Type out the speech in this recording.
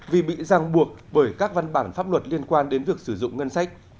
vì bị ràng buộc bởi các văn bản pháp luật liên quan đến việc sử dụng ngân sách